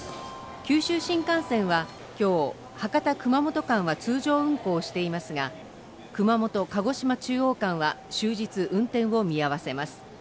九州新幹線はきょう博多‐熊本間は通常運行していますが熊本‐鹿児島中央間は終日運転を見合わせます